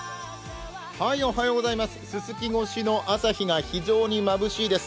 すすき越しの朝日が非常にまぶしいです。